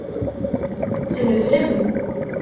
Tneflem.